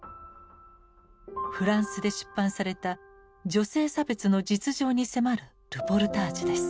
フランスで出版された女性差別の実情に迫るルポルタージュです。